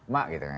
mak gitu kan